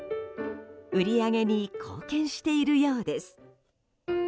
売り上げに貢献しているようです。